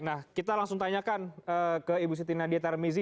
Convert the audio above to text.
nah kita langsung tanyakan ke ibu siti nadia tarmizi